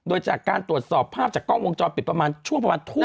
โดยจากการตรวจสอบภาพจากกล้องวงจรปิดประมาณช่วงประมาณทุ่ม